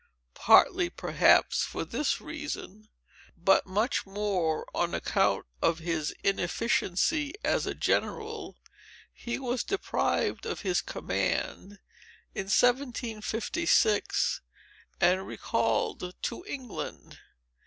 Partly, perhaps, for this reason, but much more on account of his inefficiency as a general, he was deprived of his command, in 1756, and recalled to England.